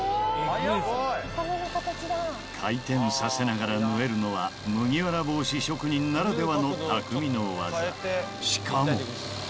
回転させながら縫えるのは麦わら帽子職人ならではの匠の技しかも！